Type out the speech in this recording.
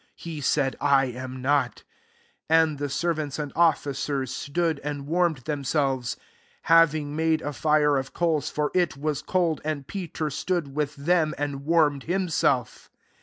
He said, " I am not" 18 And the servants and officers stood and warmed themselves, having made a fire of coals ; for it was cold. And Peter stood with them, and warmed himself.